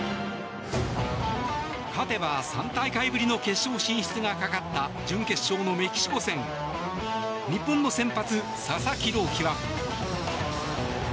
勝てば、３大会ぶりの決勝進出がかかった準決勝のメキシコ戦日本の先発、佐々木朗希は。